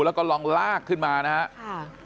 แล้วก็ลองลากขึ้นมานะครับ